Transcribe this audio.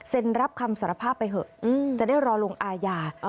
รับคำสารภาพไปเถอะจะได้รอลงอาญา